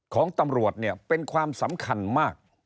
ของตำรวจเนี่ยเป็นความสำคัญมาก